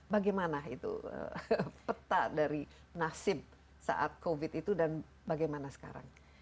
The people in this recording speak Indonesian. bagaimana itu peta dari nasib saat covid itu dan bagaimana sekarang